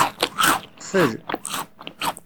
Qfel.